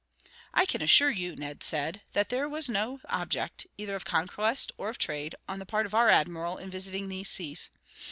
"I can assure you," Ned said, "that there was no object, either of conquest or of trade, on the part of our admiral in visiting these seas.